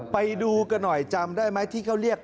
ไปดูกันหน่อยจำได้ไหมที่เขาเรียก